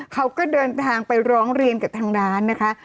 เขาก็เดินทางไปร้องเรียนกับทางร้านนะคะ